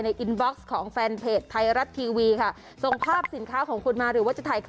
ที่ผมชอบแพ็คกระดูก